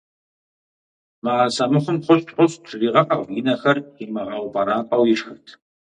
МыӀэрысэ мыхъум «хъущт, хъущт» жригъэӏэу, и нэхэр имыгъэупӏэрапӏэу ишхырт.